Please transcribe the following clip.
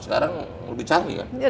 sekarang lebih canggih kan